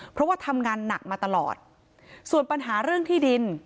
เพราะว่าทำงานหนักมาตลอดส่วนปัญหาเรื่องที่ดิน